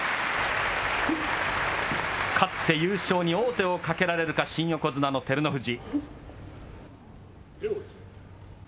勝って優勝に王手をかけられるか、新横綱の照ノ富士。